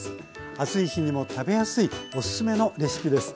暑い日にも食べやすいおすすめのレシピです。